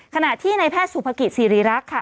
ขณะที่ในแพทย์สุภกิจสิริรักษ์ค่ะ